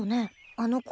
あの子。